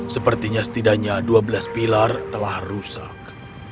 sepertinya setidaknya dua belas pilar telah rusak